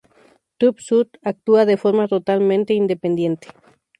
TÜV SÜD actúa de forma totalmente independiente.